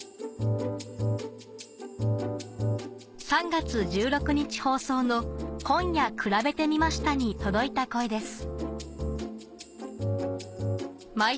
３月１６日放送の『今夜くらべてみました』に届いた声です